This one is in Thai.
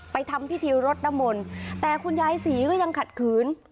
ไปทำพิธีรถนมลแต่คุณยายศรีก็ยังขัดขืน